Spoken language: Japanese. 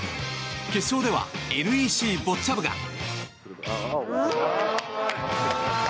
決勝ではＮＥＣボッチャ部が。